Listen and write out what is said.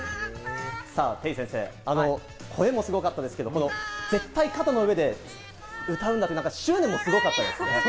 さぁ、てぃ先生、声もすごかったですけど、絶対肩の上で歌うんだっていう執念もすごかったですね。